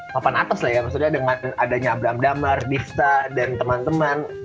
lapan atas lah ya maksudnya dengan adanya abram damar disa dan teman teman